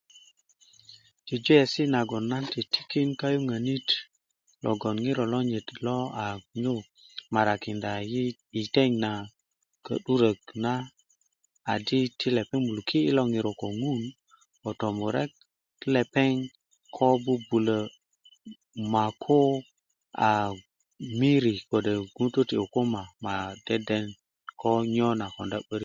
jujuwesi nagon nan titikin kayuŋiölöni logon ŋiro lonyit a nyu marakinda i teŋ na ka'dui adi ti lepeŋ muluki i lo ŋiro ko ŋun ko tomurek ti lepeŋ ko bubulö maku ti lepeŋ maku miri kode ŋutu ti okuma ma dende ko nyo na konda 'börik